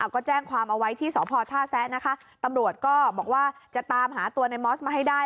ก็แจ้งความเอาไว้ที่สพท่าแซะนะคะตำรวจก็บอกว่าจะตามหาตัวในมอสมาให้ได้